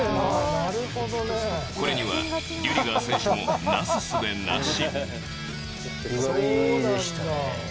これにはリュディガー選手もなすすべなし。